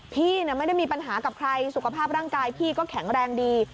พี่ไม่ได้มีปัญหากับใครสุขภาพร่างกายพี่ก็แข็งแรงดี